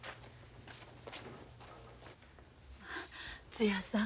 つやさん。